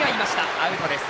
アウトです。